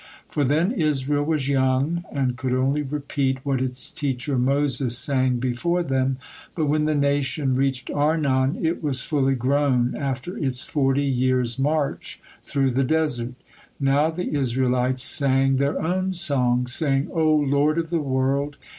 For then Israel was young, and could only repeat what its teacher Moses sang before them, but when the nation reached Arnon, it was fully grown, after its forty years' march through the desert. Now the Israelites sang their own song, saying: "O Lord of the world!